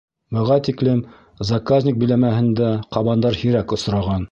Быға тиклем заказник биләмәһендә ҡабандар һирәк осраған.